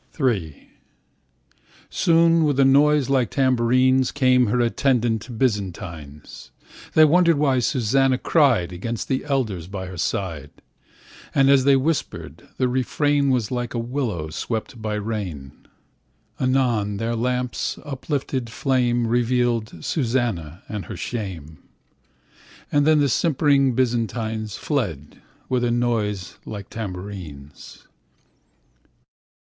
IIISoon, with a noise like tambourines, Came her attendant Byzantines.They wondered why Susanna criedAgainst the elders by her side:And as they whispered, the refrainWas like a willow swept by rain. Anon, their lamps' uplifted flameRevealed Susanna and her shame. And then the simpering Byzantines, Fled, with a noise like tambourines.